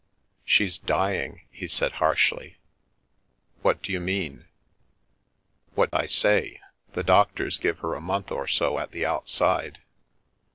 " She's dying," he said harshly. What do you mean ?" What I say. The doctors give her a month or so at the outside.